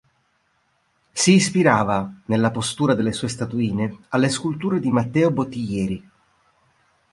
Si ispirava, nella postura delle sue statuine, alle sculture di Matteo Bottiglieri.